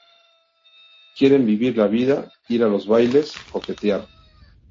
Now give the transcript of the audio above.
Quiere vivir la vida, ir a los bailes, coquetear.